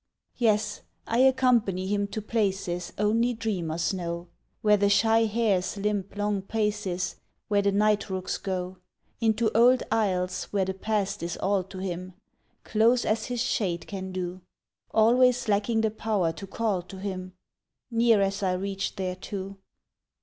Yes, I accompany him to places Only dreamers know, Where the shy hares limp long paces, Where the night rooks go; Into old aisles where the past is all to him, Close as his shade can do, Always lacking the power to call to him, Near as I reach thereto!